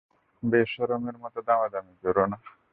বেশরম এর মত দামাদামি কইরো না?